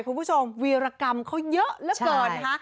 คุณผู้ชมวีรกรรมเขาเยอะแล้วเกิน